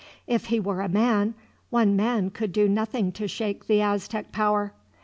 If he were a man, one man could do nothing to shake the Aztec power.